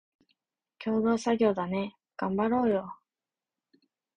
共同作業だね、がんばろーよ